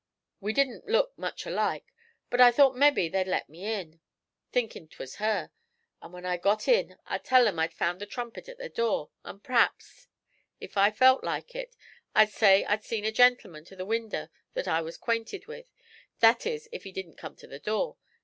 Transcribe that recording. We didn't look much alike, but I thought mebbe they'd let me in, thinkin' 'twas her; and when I got in I'd tell 'em I'd found the trumpet at their door, and p'r'aps, if I felt like it, I'd say I'd seen a gentleman to the winder that I was 'quainted with; that is if he didn't come to the door.